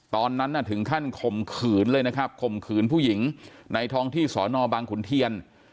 ตอนนั้นน่ะถึงขั้นข่มขืนเลยนะครับข่มขืนผู้หญิงในท้องที่สอนอบังขุนเทียน